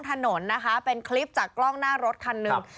ถนนนะคะเป็นคลิปจากกล้องหน้ารถคันหนึ่ง